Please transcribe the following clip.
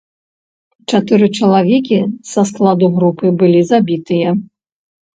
Чатыры чалавекі са складу групы былі забітыя.